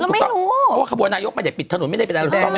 เพราะขบวนนายกมาจากปิดถนนไม่ได้ไปได้รู้ต้องไหมครับ